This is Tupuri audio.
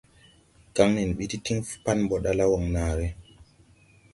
Kaŋ nen mbi ti faage tiŋ pan ɓɔ ɗala Waŋnaare.